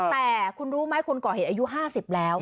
แต่คุณรู้ไหมคนก่อเหตุอายุ๕๐แล้ว